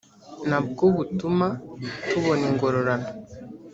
na bwo butuma tubona ingororano